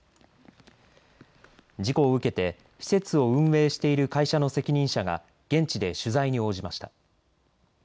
事故を受けて施設を運営している会社の責任者が現地で取材に応じました。